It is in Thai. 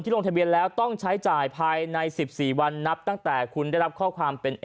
ลงทะเบียนแล้วต้องใช้จ่ายภายใน๑๔วันนับตั้งแต่คุณได้รับข้อความเป็น